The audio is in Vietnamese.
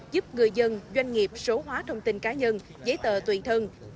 giúp người dân doanh nghiệp số hóa thông tin cá nhân giấy tờ tùy thân